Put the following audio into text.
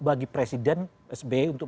bagi presiden sp untuk